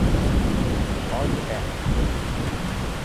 Az Eht.